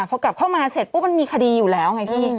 พอกลับเข้ามาเสร็จปุ๊บมันมีคดีอยู่แล้วไงพี่